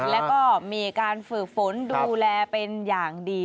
แล้วก็มีการฝึกฝนดูแลเป็นอย่างดี